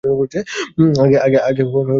আগে কখনো করতে পারোনি তা।